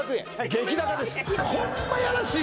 激高です